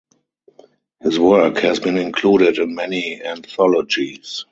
His work has been included in many anthologies.